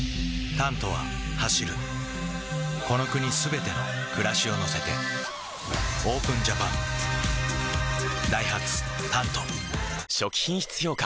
「タント」は走るこの国すべての暮らしを乗せてＯＰＥＮＪＡＰＡＮダイハツ「タント」初期品質評価